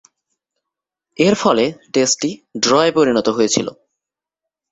এরফলে টেস্টটি ড্রয়ে পরিণত হয়েছিল।